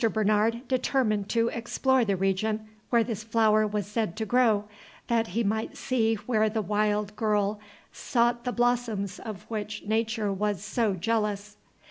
Bernard determined to explore the region where this flower was said to grow, that he might see where the wild girl sought the blossoms of which Nature was so jealous.